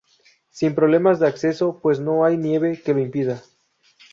Sin problemas de acceso pues no hay nieve que lo impida.